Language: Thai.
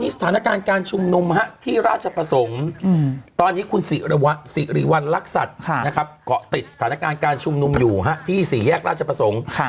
ศีรภวะศรีวัณลักษัตริย์ค่ะนะครับเกาะติดฐานการณ์การชุมนุมอยู่ฮะที่สี่แยกราชประสงค์ค่ะ